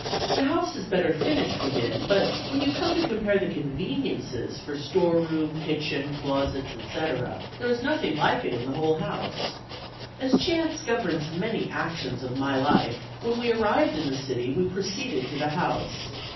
The house is better finished within; but, when you come to compare the conveniences for storeroom, kitchen, closets, etc., there is nothing like it in the whole house. As chance governs many actions of my life, when we arrived in the city, we proceeded to the house.